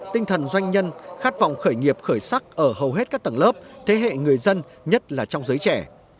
tinh thần doanh nhân khát vọng khởi nghiệp khởi sắc ở hầu hết các tầng lớp thế hệ người dân nhất là trong giới trẻ